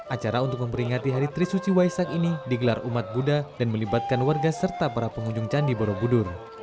acara untuk memperingati hari trisuci waisak ini digelar umat buddha dan melibatkan warga serta para pengunjung candi borobudur